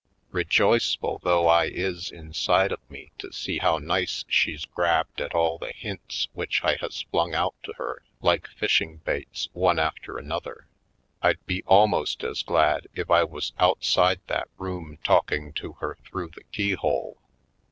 Rejoiceful though I is inside of me to see how nice she's grabbed at all the hints which I has flung out to her like fishing baits, one after another, I'd be almost as glad if I was outside that room talking to her through the keyhole.